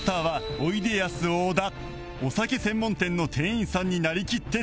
お酒専門店の店員さんになりきって挑戦